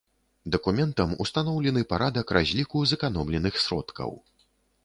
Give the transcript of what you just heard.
Дакументам устаноўлены парадак разліку зэканомленых сродкаў.